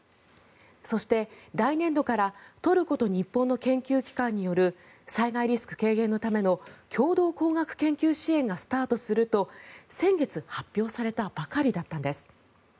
そして、来年度からトルコと日本の研究機関による災害リスク軽減のための共同工学研究支援がスタートすると先月発表されたばかりだったんです。